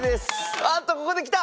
あっとここできた！